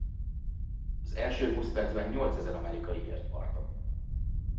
Az első húsz percben nyolcezer amerikai ért partot.